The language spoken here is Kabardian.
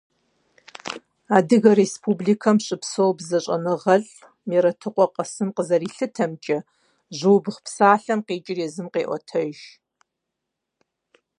Адыгэ Республикэм щыпсэуа бзэщӀэныгъэлӀ Мерэтыкъуэ Къасым къызэрилъытэмкӀэ, «жьыубгъу» псалъэм къикӀыр езым къеӀуэтэж.